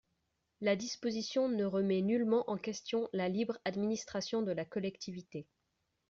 La disposition ne remet nullement en question la libre administration de la collectivité.